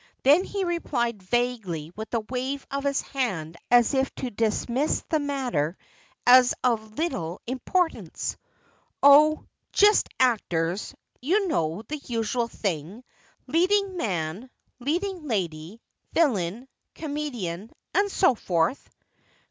Then he replied vaguely with a wave of his hand as if to dismiss the matter as of little importance: "Oh, just actors you know, the usual thing, leading man, leading lady, villain, comedian, and so forth."